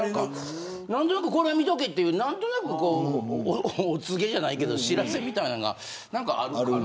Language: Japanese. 何となく、これ見とけっていう何となくこう、お告げじゃないけど知らせみたいなのが何か、あるんかな。